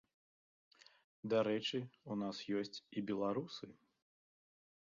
Дарэчы, у нас ёсць і беларусы.